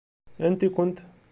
Anti-kent?